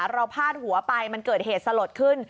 พาดหัวไปมันเกิดเหตุสลดขึ้น